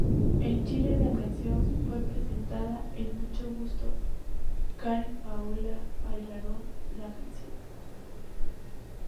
En Chile, la canción fue presentada en "Mucho Gusto" Karen Paola bailaron la canción.